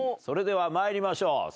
それでは参りましょう。